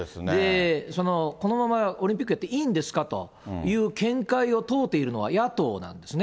その、このままオリンピックやっていいんですか？という見解を問うているのは野党なんですね。